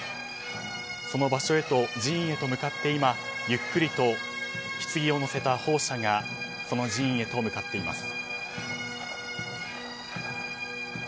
その場所へと、寺院へと向かってゆっくりとひつぎを載せた砲車がその寺院へと向かっています。